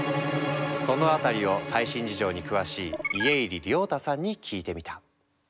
そのあたりを最新事情に詳しい家入龍太さんに聞いてみた。